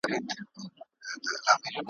چي پانوس به په رنګین وو هغه شمع دریادیږي؟ ,